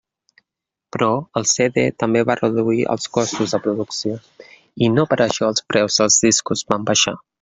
Però el CD també va reduir els costos de producció i no per això els preus dels discos van baixar.